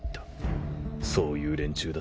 そういう連中だった。